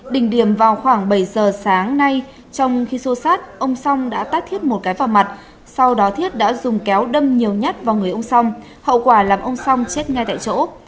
đỉnh điểm vào khoảng bảy giờ sáng nay trong khi xô xát ông song đã tác thiết một cái vào mặt sau đó thiết đã dùng kéo đâm nhiều nhát vào người ông song hậu quả làm ông song chết ngay tại chỗ